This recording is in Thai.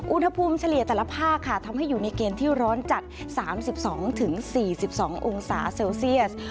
เฉลี่ยแต่ละภาคค่ะทำให้อยู่ในเกณฑ์ที่ร้อนจัด๓๒๔๒องศาเซลเซียส